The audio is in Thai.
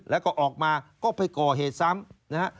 แล้วก็ออกมาก็ไปก่อเหตุซ้ำนะฮะ